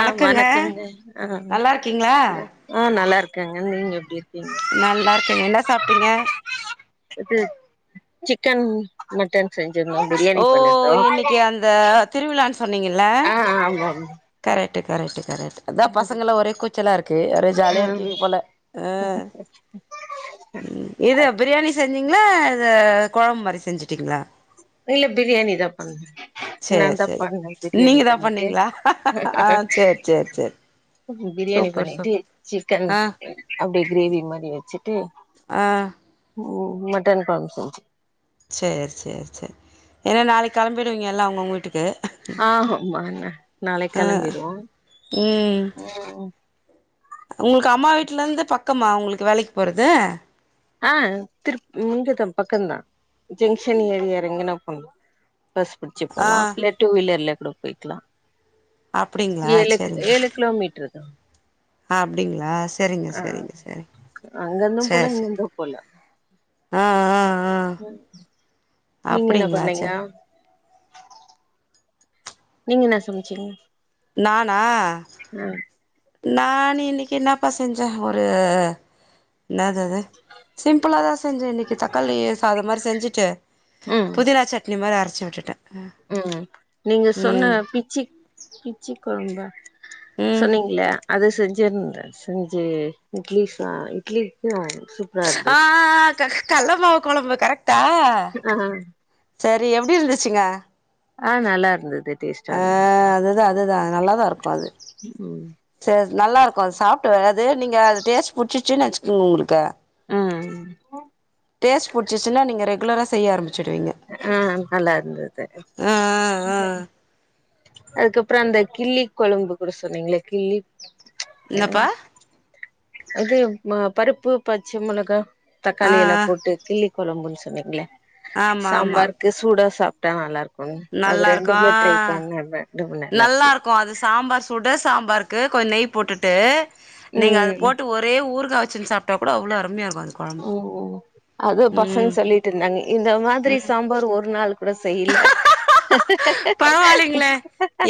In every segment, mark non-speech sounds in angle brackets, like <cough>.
ஆஹ் வணக்கங்க ஆ நல்லா இருக்கீங்களா ஆ நல்லா இருக் கங்க நீங்க எப்டி இரு நல்லா இருக்கேங்க என்ன சாப்ட்டீங்க இது சிக்கன் மட்டன் செஞ்சிருந்தோ பிரியாணி ஓ பண்ணிருந்தோ இன்னைக்கி அந்த திருவிழான் சொன்னீங்கல்ல ஆ ஆமா கரெக்ட் ட்டு கரக்ட்டு கரெக்ட் அதா பசங்களா ஒரே கூச்சலா இருக்கு அப்டியே ஆ ஜாலியா இருக்கீங்க போல ஆ ம் இது பிரியாணி செஞ்சீ ங்ளா இது கொழம்பு மாரி செஞ்சுட்டீங்களா இல்ல பிரியாணிதா பண்ணே சேரி நான்தா சேரி பண்ணே பிரியாணி நீங்க தா பண்ணிட்டு பண்ணீங்களா ஆ சேரி சேரி சேரி பிரியாணி சூப்பர் சூப் பண்ணிட்டு சிக்கன் ஆ அப்டி கிரேவி மாரி வச்சுட்டு ஆஹ் உம் மட்டன் கொழம்பு செஞ்சு சேரி சேரி சேரி ஏன்னா நாளைக்கி கெளம்பிடுவீங்க எல்லா அவுங்க அவுங்க வீட்டுக்கு ஆ ஆமா நாளைக்கு ஆ கெளம்பிருவோ உம் ம் உங்களுக்கு அம்மா வீட்ல இருந்து பக்கமா உங்களுக்கு த்து வேலைக்கு போறது ஆஹ் திரு இங்கதா பக்கம்தா ஜங்ஷன் ஏரியா எறங்கி நா போணு பஸ் பிடிச்சு ஆ போலா இல்ல டூ வீலர்ல கூட போய்க்கலா அப்டிங்களா ஏழுக் ஏழு கிலோமீட்டர்தா அஹ் அப்டிங்களா செரிங்க ஆ செரிங்க செரிங்க செரி அங்கந்தும் போல சேரி இங்கந்தும் போல ஆ ஆ ஆ நீங்க என்ன அப்டிங்களா பண்ணீங்க சே நீங்க என்ன சமைச்சீங்க நானா ம் நா இன்னைக்கி என்னப்பா செஞ்சே ஒரு என்னாது அது சிம்பிளாதா செஞ்சே இன்னைக்கி தக்காளி சாதோ மாரி செஞ்சுட்டு புதினா சட்னி மாரி அரச் சவிட்டுட்டா உம் நீங்க சொன்ன பிச்சி-பிச்சி குழம்ப ம் சொன்னீங்களே அது செஞ்சுருதென் செஞ்சு இட்லி ச இட்லிக்கு அ ஆஹ் ஹ் ஹ் க கள்ள மாவு குழம்பு கரெக்ட் த ஆ செரி எப்டி இருந்துச்சுங்க ஆ நல்லா இருந்தது தேஷ்ட இருந்தாது நல்லா தான் இருக்கோ அது ம் சேர் நல்லா இருக்கோ அது சாப்பிட்டு <unintelligible> அது நீங்க அது டேஸ்ட் புடிச்சு ந இன்னும் உங்களுக்கு ம் டேஸ் போடிச்சுச்சுன்னா நீங்க ரெகு ரெக்குலராக செய்யாரும் ஆஹ நல்லா இருந்தது ஆ ஆ ஆ அதுக்கப்புறம் அந்த கிள்ளி கொலம்பு கூட சொன்னீங்கள கிள்ளி என்னப்பா அது மா பருப்பு பச்ச மிளகா ஆ தக்காளி ஆ எல்லாம் போட்டு கிள்ளி கொழம்புன் சொன்னீங்களா ஆமா ஆமா சம்பார்க் சூடா சாப் ப்டா நல்லா இருக்கு நல்லா இருக்கோ ரெண்டுமே நல்லா இருக்குது இருக்கோ அது சாம்பார் சுட சாம்பார் இருக்கு கொஞ்ச நெய் போட்டுட்டு நீங்க ம் அதது போட்டு ஒரே ஊராக வேச்சு சப்ட்டா கூட அவள அருமையா இருக் ஓ ஓ அது பசங்க சொல்லிட்டு இருந்தாங்க இந்த ம் மாதிரி சாம்பார் ஒரு நாள் கூட செய்யல பரவாயில்லைங்களே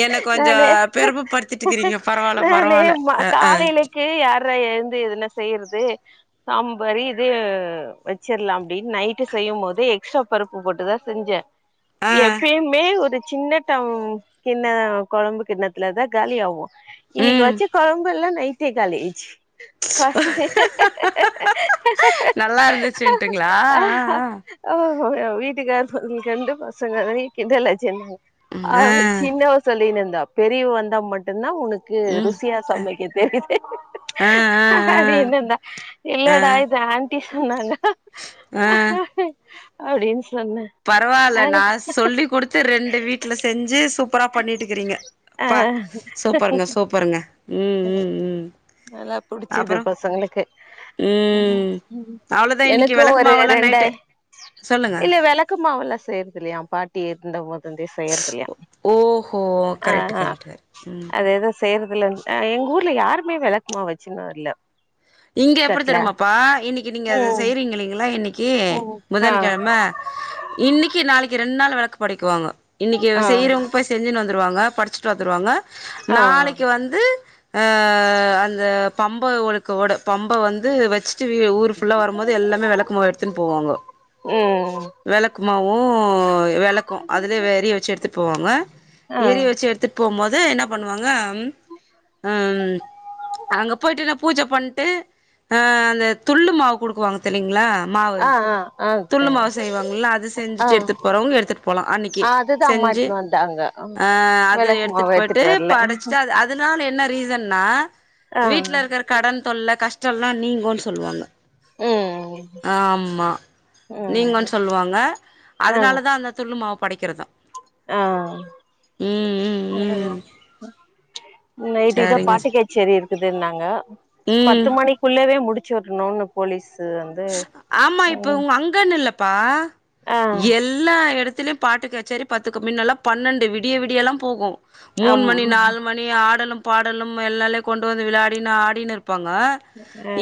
என்ன கொஞ்சோ நானே பெருமப்படுத்திட்டுக்கிறீங்க பரவால்ல நானே பரவால்ல ம அ அ காலையிலக்கு யாரு எப்பற எழுந்து எதுன செய்யறது சாம் மாரி இதது வச்சிடலாம் அப்படின்னு நைட்டு செய்யும் போத எக்ஸ்ட்ரா பருப்பு போட்டுதான் செஞ்சேன் ஆ எப்பயுமே ஒரு சின்னடம் கிண்ண கொழம்பு கிண்ணத்துலத காலி ஆவும் இன்னைக்கு ம் வச்ச குழம்பு எல்லா நைட்டே காலியாச்சி பசங் நல்லா இருந்துச்சுன்ட்டுங்களா ஒரு வீட்டுக்கார சொல்லி ஃபிரெண்ட் பசங்க கிண்டல்ச்சன்னாங்க ஆ ஆ அவ சின்னவ சொல்லினுந் பெரியவ வந்தா மட்டுந்தா உனக் க்கு ம் ருசியா சமைக்க தெரியுது ஆ ஆ ஆ அப்டின்னுந்தா இல்லட இது ஆன் டி சொன்னாங்க ஆஹ் அப்டின் பரவால நா சொல்லி குடுத்து ரெண்டு வீட்ல செஞ்சி சூப்பரா பண்ணிட்டுக்கிறீங்க ஆ ப்பா சூப்பருங்க சூப்பருங்க ம் ம் ம் நல்லா புடிச்சது அப்புறோ பசங்களுக்கு ம் அவ்ளோதா இன்னைக்கு எனக்கு வெளக்கு ஒரு மாவெல்லா நைட்டு ரெண்டாய் சொல்லுங்க இல்ல வெளக்கு மாவெலா செய்றது இல்லையாம் பாட்டி இருந்த செய்யறதுல்லையா ஓஹோ கரெக்ட் ஆஹஹ கரெக்ட் கரெக்ட் ம் அதேதா செய்யறது இல அஹ் எங்க ஊர்ல யாருமே வெளக்குமாவு வச்சுன்னு இல்ல இங்க எப்டி தட்ல தெரிமாப்பா இன்னிக்கு நீங்க அத ம் செய்யறீங்க இல்லைங்களா இன்னிக் கி ம் ஆ புதன்கிழம இன்னிக்கு நாளை கி ரெண்நாள் வெளக்கு படிக்குவாங்க இன்னிக்கு ஆ செய்றவங்க போய் செஞ்சன்னு வ ந்துருவாங்க படிச்சிட்டு வ ந்துருவாங்க ஆ நாளைக்கு வந்து ஆஆ அந்த பம்ப உடுக் கோடு பம்ப வந்து வச் சி ஊர் ஃபுல்லா வரும்போது எல்லாமே வெளக்கு மாவு எடுத்துன் போவாங்க உம் வெளக்குமாவு ஓ வெளக்கு அதுல ஏரிய வச்சி எடுத்துட்டு போவாங்க எரிய ஆ வச்சி எடுத்துட்டு போம்போது என்ன பண்ணுவாங்க அங்க போயிட்டுன பூஜ பண்ணிட்டு அந்த துள்ளு மாவு கொடுக்குவாங்க தெரியுங்களா மாவு ஆஹ் ஆஹ் துள்ளு மாவு செய்வாங்கல்ல அது செஞ்சுட்டு எடுத்துட்டு போறவங்க எடுத்துட்டு போலாம் அன்னைக்கு ஆ அதுதா அம்மா செஞ்சு எட்த்துனு வந்தாங்க ம், ஆஹ் அது விளக்கு மாவு எடுத்துட்டு எட்த்துட்டு போயிட்டு வர்ல படைச்சுட்டு அது அதனால என்ன ரீசன்னா ஆ வீட்டுல இருக்கிற கடன் தொல்லை கஷ்ட டலாம் நீங்குன்னு சொல்லுவாங்க ம் ஆமா நீங்குனு ம் சொல்லுவாங்க அதனால தான் அந்த துள் மாவு படைக்கிறது ஆஹ் ம் ம் நைட்டுக்குதான் சரிங்க ச பாட்டு கச்சேரி இருக்குதுன்னாங்க பத்து ம் மணிக்குள்ளவே முடிஞ் சருனு போலீஸ் ஆமா இப்ப உங்க அங்கன்னு இல்லப்பா ஆ எல்லா இடத்து லையும் பாட்டு கச்சேரி பத்துக்க முன்னல்லாம் பன்னெண்டு விடிய விடிய எல்லா போகும் ஆம் ஆ மூணு ம் மணி நாலு மணி ஆடலு பாடலும் எல்லாலே கொண்டு வந்து விளையாடி ஆடின்னு ப்பங்க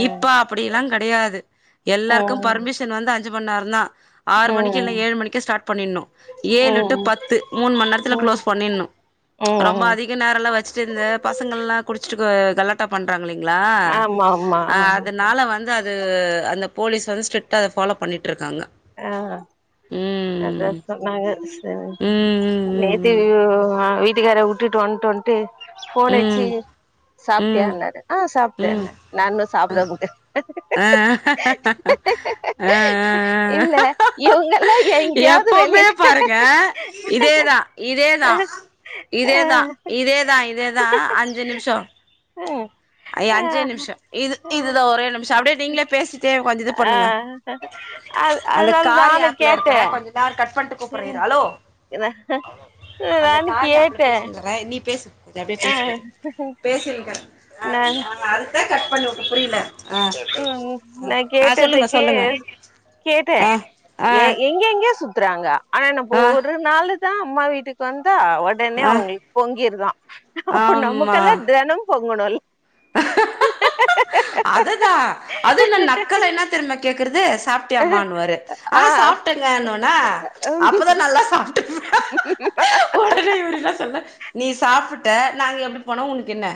இப்ப அப்படில்லாம் கிடையாது எல்லாருக்கும் ம் பர்மிஷன் வந்து அஞ்சு மணி நேரம்தான் ஆறு மணிக்கு இல்ல ம் ஏழு மணிக்கு ஸ்டார்ட் பண்ணிடனும் ஏழு டு ம் பத்து மூணு மணி நேரத்துல க்ளோஸ் பண்ணிடனும் ரொம்ப ம் அதிக நேரம்லம் வச்சிருந்த இந்த பசங்களெல்லாம் குடிச்சிட்டு கலாட் டா பண்றாங்களே ங்களா ஆமா ஆமா அதனால வந்து அது தூ அந்த போலிஸ் வந்து ஸ்ட்ரீட்டா அத ஃபாலோ பண்ணிட் ஆஹ் அத ம் சொன்னாங்க சே நேத்தே ம் வீ ஓ வீட் ட்டுக்கார வுட்டுட்டு வந்துட்டோம்னுட்டு ஃபோன் ம் அடி ச்சு ம் ம் ம் ம் சாப்டியானாரு ஆஹ் சாப்பிட்டேன் ம் நான் இன்னும் சாப்பிட <inaudible> ஆஹ் ஆஹ் இல்ல இவங்கல்லாம் எப்பவுமே பாருங்க இதேதா இதேதா இதேதா இதேதா இதேதா அஞ்சு நிமிஷம் அஞ்சே நிமிஷம் இது இதுதான் ஒரே நிமிஷம் அப்படியே நீங்களே பேசிட்டே கொஞ்சம் இது பண்ணுங்க அ அதனால நானு கே இரு கொஞ்ச தான் இரு கூப்படுற இரு ஹலோ அந்த நானு காரிாப்ல கேட்டே பேசறேன் நீ பேசி எ அப்படியே ஆ பேசு பேசிருக்கன்ட் ஹ நா அதுதான் கட் பண்ணி புரியல ஆ ம் நா ஆ சொல்லுங்க கேட்டதுக்கு சொல்லுங்க கேட்டே ஆ ஆ எங்க எங்கயோ சுத்த திராங்க ஆனா நம்ம ஆ ஒரு நாள் தா அம்மா வீட்டுக்கு வந்து ஓ உடனே ஆ அவங்களுக்கு பொங்கிருதா அப்ப நமக்கெல்லா தெனம் பொங்கணுல் ஹ அதுதான் அது என் நக்கல என்ன தெரும்ம கேக்குறது சாப்பிட்டியாம வாரு ஆ ஆஹ் சாப்பிட்டங்க அப்பதான் நல்லா சாப்பிட்டு உடனே இவரு சொல்ல நீ சாப்ப சாப்பிட்ட நாங்க எப்டி போன உனக்கு என்ன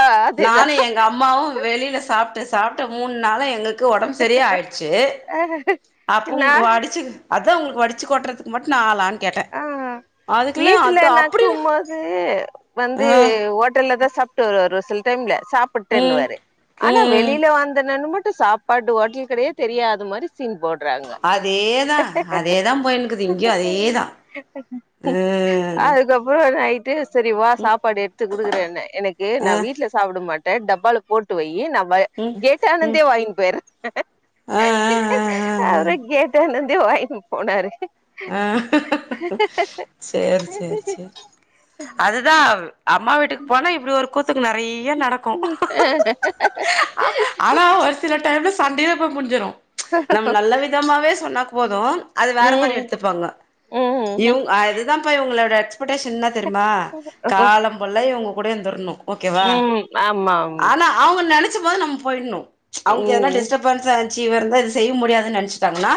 ஆ அதேதா நானு எங்க அம்மாவும் வெளியி சாப்ட்ட மூணு நாளும் எங்களுக் ஒடம்பு சரியாயிடுச்சு அப்ப நா உங்க வாடிச்சு அது அவங்களுக்கு வடிச்சு கொட்டுறதுக்கு மட்டும் நான்ல ஆஹ் வீட்டுல அப்டி நடக்கும்போது வந்து ஆ ஹோட்டல்ல தா சாப்பிட்டு வருவாரு ஒரு சில டைம்ல ம் சாப்பிட்டேன்னுவாரு ஆனா ம் வெளியில வந்தனன்னு மட்டு சாப்பாடு ஹோட்டல் கிடையே தெரியாதது மாரி சீன் போடுறாங்க அதேதான் அதேதான் போயனுக்கு இங்கயும் அதேதான் அதுக்கப்புறம் <unintelligible> செரிவா சாப்பாடு எடுத்து கொடுக்குறேன்னு எனக்கு ஆ நான் வீட்டுல சாப்பிட மாட்டே டப்பாள போட்டு வை நம்ம ம் கேட்ட ம் ஆனந்தே வாங்கி பார் ஆ ஆ ஆ ஆ அவரு கேட்ட என்ன என்ன வாங்கினு போனாரு ஆஹ் சேரி சேரி சேரி அதுதான் அம்மா வீட்டுக்கு போனா இப்படி ஒரு க்கு நெறைய நடக்கும் ம் அ ஆனா ஒரு சில டைம்ல சண்டயில்ல போய் முடிஞ்சிடும் நம்ம நல்ல விதமாவே சொன்னாக்கு போதும் அது வேற மாரி ம் எடுத்து இருப்பாங்க இவங் அதுதான்ப்ப இங்களோட போட்டன் சின்னா தெரியுமா காலம் புல்ல இவங்க கூடேந்துந்தர்ணும் ஓகேவா ம் ஆமாம் ஆனா அவுங்க நென ச்சபோது நம் போயிடணும் அவங்க இதனா ம் டிஸ்டர்பன்ஸா சீவர்ந்து அது செய்ய முடியாதுன்ன நினச்சிட்டாங்கனா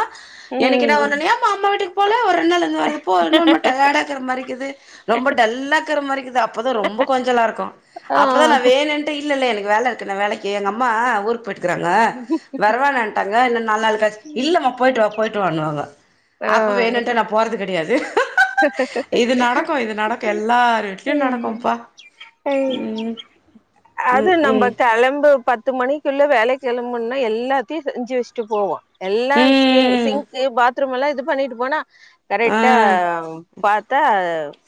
எனக்கு என்ன ம் வண்ணனா எம்மா அம்மா வீட்டுக் போல ஒரு இன்னோருந்து வருது போ <unintelligible> டயடா இக்கற மாரிக்குது ரொம்ப டல்ல இக்கற மாரி அப்பதான் ரொம்ப கொஞ்சால இருக்கும் ஆ அப்பதான் நா வேணுண்டு இல்லல்ல எனக்கு வேல இருக்குன வேலைக்கு எங்க அம்மா ஊர் போட்டு இருக்கறாங்க வரவேட்டாங்க இல்ல நாலு நாளுக்கா இல்லம் போயிட்டு வா போயிட்டு வானுவாங்க ஆஹ அப்போ வேணுன்டு நா போறது கிடையாது இது நடக்கும் இது நடக்கும் எல்லார் வீட்லயும் நடக்கும்பா ஆ உம் அது நம்ம கிளம்பு பத் பத்து மணிக்குள்ள வேலை கிளம்பும்னா எல்லாத்தையும் செஞ்சு வச்சுட்டு போவோம் எல்லாம் சிங் ம் ம் சிங்கு பாத் பாத்ரூமல்லாம் இது பண்ணிட்டு போனா கரெக்டா பாத்தா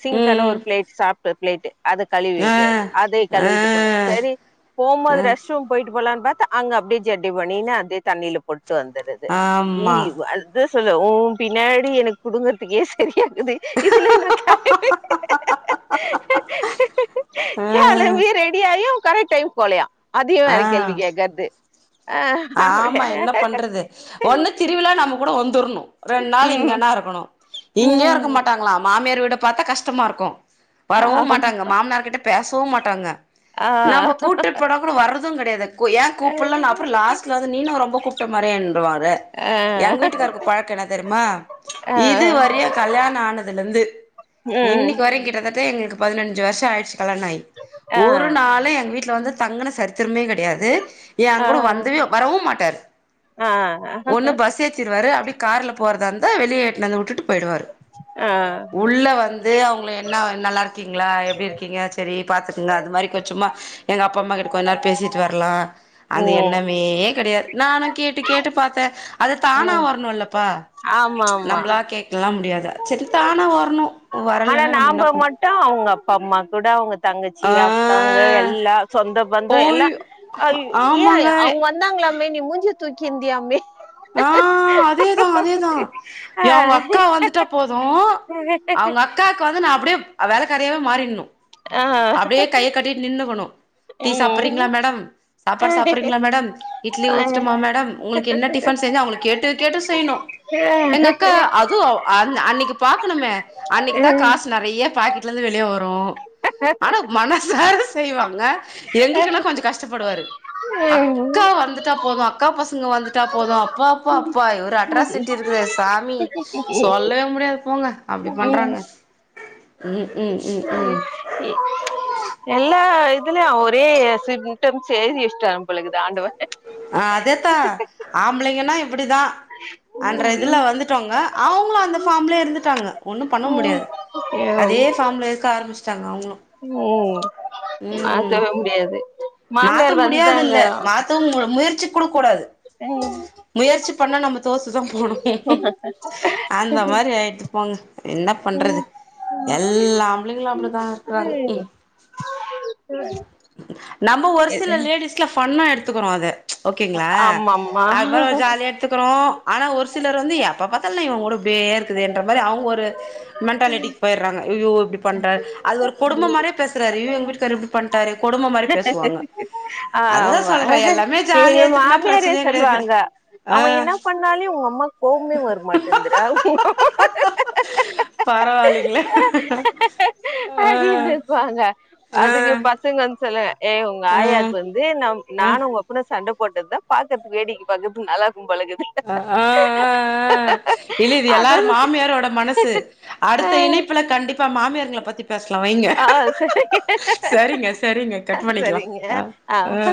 சிங்கான ம் ஒரு பிளேட் சாப்பிட்டு ப்ளேட்டு அத கழுவி ஆ வைக்காது அதே கழுவிட்டு போன ஆ சரி போம்போது ஆ ரெஷ்ரூம் போயிட் போலாம்னு பார்த்தா அங்க அப்படியே ஜெட்டி பணியனு அதே தண்ணியில போட் ட்டு வந்தறது ஆமா இவ் அது சொல்ல ஓன் பின்னாடி எனக்கு புடுங்கறதுக்கே சரியக்குது இதுல ந கிளம்பி ஆ காலம்பி ரெ டயும் கரெக் டைம் போலையாம் அதையும் வேற கேள்வி ஆ கேட்கறது ஆமா என்ன பண்றது ஒண்ணு திருவிழா நம்ம கூட வந்துறணும் ரெண்டு நாள் ம் இங்கன்னா இருக்கணும் இங்கயே இருக்க ம் மாட்டாங்களா மாமியார் வீட பார்த்தா கஷ்டமா இருக்கும் வரவும் மாட்டாங்க ஆமா மாமனார் கிட்ட பேசவும் மாட்டாங்க ஆ நம்ம கூட்டு போன கூட வர தும் கிடையாது ஏன் ஆ கூப்புல்ல அப்புறம் லாஸ்ட் நீன ரொம்ப கூப்பிட்ட மாறியே இன்றுவரு எங்க வீட்டுக்கருக்கு பழக்கம் என்ன தெரியுமா ஆ இது வரயும் கல்யாணம் அனதுலா இருந்து ம் இன்னைக்கு வரையும் கிட்டதா எங்களுக்கு பதினஞ்சு வருஷம் ஆயிடுச்சு கலனாய் ஆ ஒரு நாள் எங்க வீட் விடல வந்து தங்கன சரித்திரமே கிடையாது ஏங்க ஆ கூட வந்தவே வரவும் மாட்டார் ஆ ஒன்னு பஸ் ஏதிருவாரு அப்படி கார்ல போ போறதன்ந்த வெளியே இட்டுனு வந்து விடுட்டு போயிடுவார் ஆ உள்ள வந்து அவங்க என்ன நல்லா இருக்கீங்களா எப்படி இருக்கீங்க சரி பார்த்துட்டு அது மாரி கொஞ்சம் சும்மா எங்க அப்பா அம்மா கிட்ட கொஞ்ச நேரம் பேசிட்டு வரலாம் அது என்ன ம் மே கிடையாது நானும் கேட்டு கேட்டு பார்த்தேன் அது தானா ம் வரணும்ல்லப்பா ஆமா ஆமா நம்மளா கேக்கலா முடியாது சரித்தானா வர்ணும் ஆனா நாம மட்டும் அவங்க அப்பா அம்மா கூட அவங்க தங்கச்சி ஆ அக்காங்க எல்லாம் சொந்த பந்தம் ஓய் எல்லாம் இயோ ஆமாங்க ஏன் அவங்க வந்தாங்களா ஏண்டி மூஞ்சிய தூக்கி இருந்தியாமே ஆஹ் அதேதான் அதே தான் அவங்க அக்கா வந்துட்டா போதும் அவங்க அக்காக்கு வந்து நான் அப்படியே அவ வேல காறியாவே மாறிணும் ஆ ஆ அப்படியே கைய கட்டி நின்றுக்கணும் டீ சாப்பிடுறங்களா ம் மேடம் சாப்பாடு சாப்பிறீங்களா மேடம் இட்லி ஊத்துட்டுமா மேடம் உங்களுக்கு என்ன டிப செஞ்சு அவங்க கேட்டு கேட்டு செய்யணும் எங்க அக்கா அதுவும் அன்னைக்கு பார்க்கணுமே அன்னைக்கு தான் காசு நிறைய பாக்கெடலருந்து வெளிய வரும் நோ ஆனா மனசார செய்வாங்க எங்களுக்குனா கொஞ்ச கஷ்டப்படுவாரு அக்கா வந்துட்டா போது அக்கா பசங்க வந்துட்டா போது அப்பா அப்பா அப்பா இவ அட்ராசிட்டி இருக்குது சாமி சொல்லவே முடியாது போங்க அப்டி பண்றாங்க ம் ம் ம் ம் எல்லா இதுல ஒரே சிம்டம்ஸ் எய்தி வெஷ்டபொலக்குது ஆண்டவ ஆஹ் அதேதா ஆம்பளைங்கன்னா இப்டிதா அன்ற இதுல ம் வந்துட்டோங்க அவங்களு அந்த ஃபார்ம்லே இருந்துடாங்க ஒன்னு பண்ண ம் முடியாது அதே ஃபார்ம்ல இருக்க ஆரம்பிச்சி உம் ம் மாத்தவே முடியாது மாத்த மாமியார் முடியாது வந்தாங்க இல்ல மாத்தவு முயற்சி கூட கூடாது ம் முயற்சி பண்ணா நம்ம தோத்துதா போணு அந்த மாரி ஆயட்டு போங்க என்ன பண்றது எல்லா ஆம்பளைங்களு அப்டிதா இருக்றாங்க நம்ம ஒரு சில லேடிஸ்ல ஃபண்ணா எடுத் துக்குறோ அத ஓகேங்களா ஆமாம்மா அது மாரி ஒரு ஜாலியா எடுத்துக்குறோ ஆனா ஒரு சில <unintelligible> வந்து எப்ப பாத்தாலு இவ கூட இப்டியே இருக்குதுன்ற மாரி அவுங்க ஒரு மென்டாலிட்டி போயிறாங்க ஐயோயோ இப்டி பண்றாரு அது ஒரு கொடும மாறியே பேசுறாரு ஐயோ எங்க வீடுக்காரு <unintelligible> அதுதா ஆமா சொல்றே எல்லாமே எங்க ஜாலியா எத்துக்குனா மாமியாரே பிரச்சனையே கெடையாது சொல்லவாங்க அவ ஆ என்ன பண்ணாலே உங்க அம்மா கோமே வரமாட்டேந்துரா பரவாயில்லைங்களே ஆ அடின்னு இருக்குவாங்க ஆ அதுக்கு <unintelligible> சில ஏ உங்க ஆ ஆயாக்கு வந்து ந ஆ நானு உங்க அப்பன சண்ட போட்டத பாக்கத்து வேடிக்க பாக்கதுக்கு நல்லா இருக்கும் போலக்குது ஆஹ் ஆஹ் ஆஹ் இல்லது அது எல்லாரு மாமியாரோட மனசு அடுத்த இணைப்புல கண்டிப்பா மாமியார் ங்கல பத்தி பேசலா வைங்க ஆஹ் சரிங்க சரிங்க சரிங்க கட் பண்ணிக்கலா சரிங்க அ ஆஹ் அ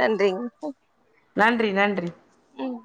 நன்றிங்க நன்றி நன்றி ம்